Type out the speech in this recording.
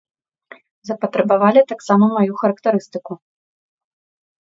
Запатрабавалі таксама маю характарыстыку.